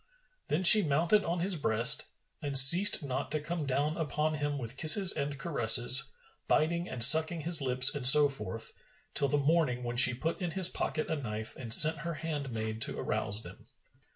Then she mounted on his breast and ceased not to come down upon him with kisses and caresses, biting and sucking his lips and so forth, till the morning. when she put in his pocket a knife and sent her handmaid to arouse them.